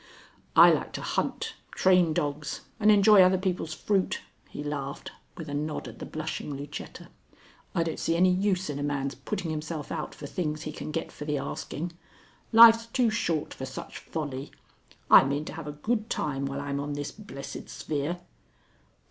"I like to hunt, train dogs, and enjoy other people's fruit," he laughed, with a nod at the blushing Lucetta. "I don't see any use in a man's putting himself out for things he can get for the asking. Life's too short for such folly. I mean to have a good time while I'm on this blessed sphere."